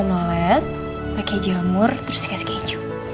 nolet pakai jamur terus dikasih keju